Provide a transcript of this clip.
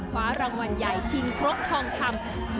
วาลังวัลใหญ่ชิงครบทองคำดูที่ไหนก็มีความสุข